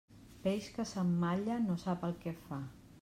Peix que s'emmalla, no sap el que fa.